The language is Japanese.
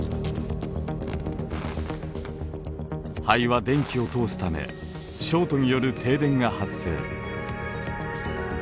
灰は電気を通すためショートによる停電が発生。